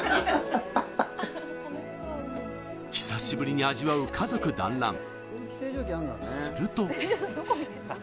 久しぶりに味わう家族団らん。